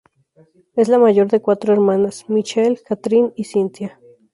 Es la mayor de cuatro hermanas: Michelle, Katrin y Cynthia.